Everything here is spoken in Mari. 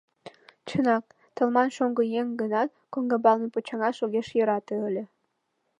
Чынак, Талман — шоҥго еҥ гынат, коҥгамбалне почаҥаш огеш йӧрате ыле.